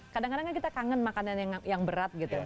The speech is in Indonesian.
kadang kadang kan kita kangen makanan yang berat gitu